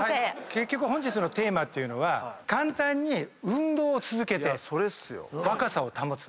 結局本日のテーマというのは簡単に運動を続けて若さを保つ。